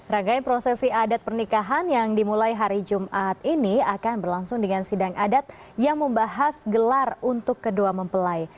rangkaian prosesi adat pernikahan yang dimulai hari jumat ini akan berlangsung dengan sidang adat yang membahas gelar untuk kedua mempelai